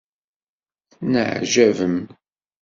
Tenɛaǧabem.